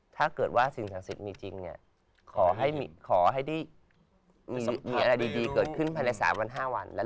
ถ้าเกิดว่าสิ่งศักดิ์สิทธิ์มีจริง